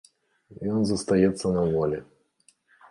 Ён застаецца на волі.